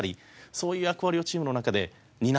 そういう役割をチームの中で担っていける。